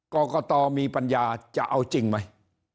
กรกตมีปัญญาจะเอาจริงไหม